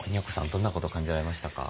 どんなことを感じられましたか？